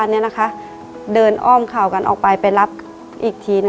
ในแคมเปญพิเศษเกมต่อชีวิตโรงเรียนของหนู